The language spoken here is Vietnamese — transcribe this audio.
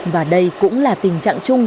và đây cũng là tình trạng chung